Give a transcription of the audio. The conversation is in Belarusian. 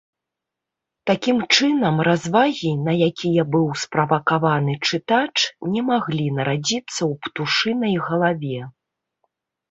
Такім чынам, развагі, на якія быў справакаваны чытач, не маглі нарадзіцца ў птушынай галаве.